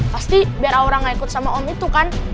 pasti biar orang gak ikut sama om itu kan